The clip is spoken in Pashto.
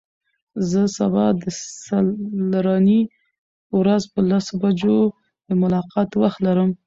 زه سبا د څلرنۍ ورځ په لسو بجو د ملاقات وخت لرم.